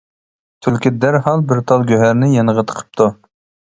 تۈلكە دەرھال بىر تال گۆھەرنى يېنىغا تىقىپتۇ.